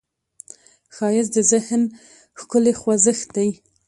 ښایست د ذهن ښکلې خوځښت دی